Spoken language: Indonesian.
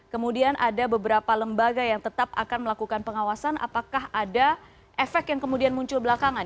kemudian ada beberapa lembaga yang tetap akan melakukan pengawasan apakah ada efek yang kemudian muncul belakangan